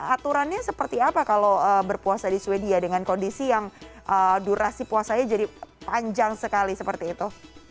aturannya seperti apa kalau berpuasa di sweden dengan kondisi yang durasi puasanya jadi panjang sekali seperti itu